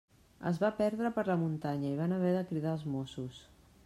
Es va perdre per la muntanya i van haver de cridar els Mossos.